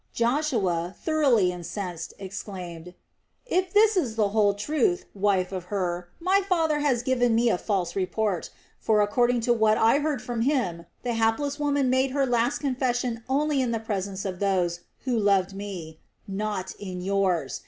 Joshua, thoroughly incensed, exclaimed: "If this is the whole truth, wife of Hur, my father has given me a false report; for according to what I heard from him, the hapless woman made her last confession only in the presence of those who love me; not in yours.